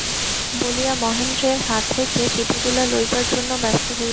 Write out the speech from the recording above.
বলিয়া মহেন্দ্রের হাত হইতে চিঠিগুলা লইবার জন্য ব্যস্ত হইয়া পড়িল।